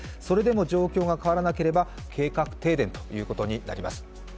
それでも状況が変わらなければ計画停電ということになります。